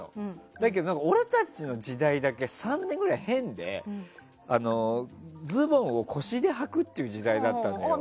だけど俺たちの時代だけ３年ぐらい変でズボンを腰ではくっていう時代だったの。